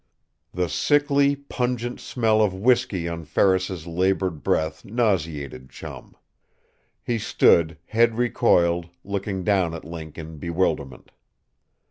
The sickly, pungent smell of whisky on Ferris's labored breath nauseated Chum. He stood, head recoiled, looking down at Link in bewilderment.